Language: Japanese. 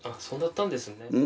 そうだったんですね。